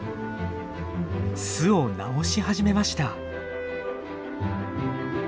巣を直し始めました。